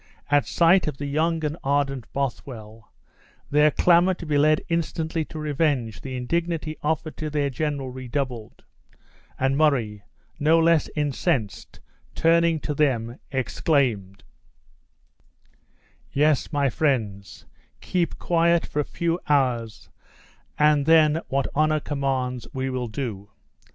At sight of the young and ardent Bothwell, their clamor to be led instantly to revenge the indignity offered to their general redoubled, and Murray, not less incensed, turning to them exclaimed: "Yes, my friends, keep quiet for a few hours, and then, what honor commands we will do!"